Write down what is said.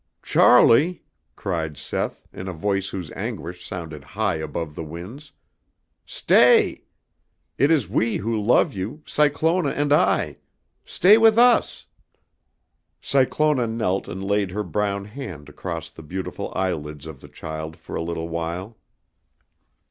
"Charlie!" cried Seth, in a voice whose anguish sounded high above the winds. "Stay! It is we who love you, Cyclona and I. Stay with us!" Cyclona knelt and laid her brown hand across the beautiful eyelids of the child for a little while.